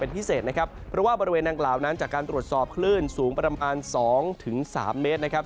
พิเศษนะครับเพราะว่าบริเวณดังกล่าวนั้นจากการตรวจสอบคลื่นสูงประมาณ๒๓เมตรนะครับ